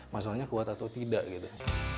masalahnya kuat atau tidak gitu